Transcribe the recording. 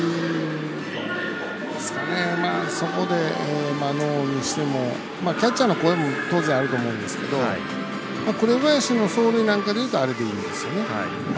そこでノーにしてもキャッチャーの声も当然あると思うんですけど紅林の走塁なんかで言うとあれでいいですよね。